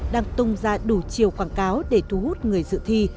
đang tung ra đủ chiều quảng cáo để thu hút người dự thi